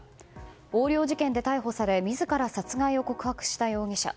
横領事件で逮捕され自ら殺害を告白した容疑者。